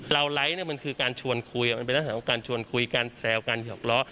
เราไลค์เนี่ยมันคือการชวนคุยมันเป็นหน้าทางของการชวนคุยการแซวการหยอกล้อ